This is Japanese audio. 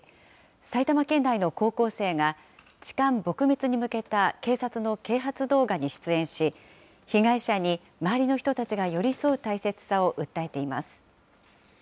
埼玉県内の高校生が、痴漢撲滅に向けた警察の啓発動画に出演し、被害者に周りの人たちが寄り添う大切さを訴えています。